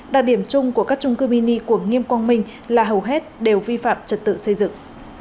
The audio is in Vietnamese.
đặc điểm chung của các trung cư mini của nghiêm quang minh là hầu hết đều vi phạm trật tự xây dựng